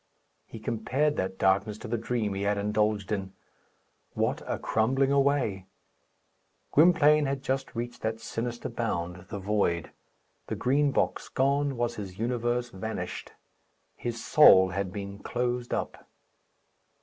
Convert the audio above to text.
He compared that darkness to the dream he had indulged in. What a crumbling away! Gwynplaine had just reached that sinister bound the void. The Green Box gone was his universe vanished. His soul had been closed up.